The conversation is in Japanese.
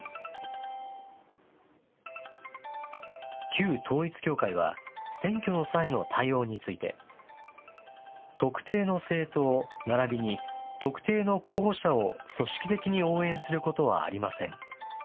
旧統一教会は、選挙の際の対応について、特定の政党ならびに特定の候補者を組織的に応援することはありません。